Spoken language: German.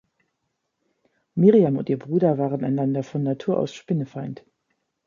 Miriam und ihr Bruder waren einander von Natur aus spinnefeind.